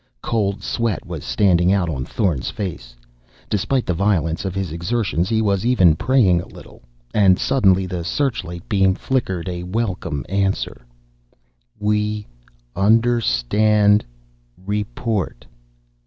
Cold sweat was standing out on Thorn's face, despite the violence of his exertions. He was even praying a little.... And suddenly the searchlight beam flickered a welcome answer: "W e u n d e r s t a n d. R e p o r t."